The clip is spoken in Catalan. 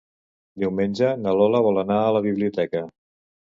Diumenge na Lola vol anar a la biblioteca.